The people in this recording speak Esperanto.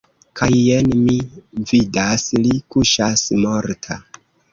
Kaj jen mi vidas – li kuŝas morta!